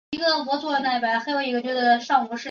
她回归后带来了一轮特别的钢琴独奏巡演。